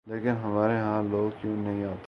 لیکن ہمارے ہاں لوگ کیوں نہیں آتے؟